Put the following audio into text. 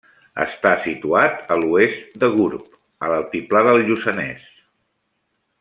Està situat a l'oest de Gurb, a l'altiplà del Lluçanès.